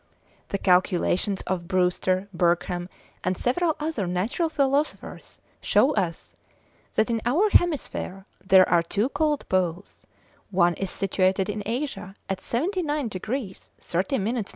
The calculations of Brewster, Bergham, and several other natural philosophers show us that in our hemisphere there are two cold Poles; one is situated in Asia at 79 degrees 30 minutes N.